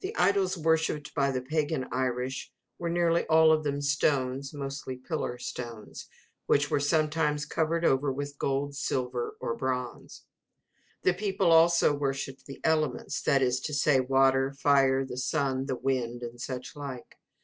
The idols worshipped by the pagan Irish were nearly all of them stones, mostly pillar stones, which were sometimes covered over with gold, silver, or bronze. The people also worshipped the elements that is to say, water, fire, the sun, the wind, and such like.